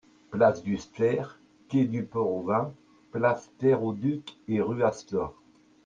Place du Steïr, quai du Port au Vin, place Terre au Duc et rue Astor.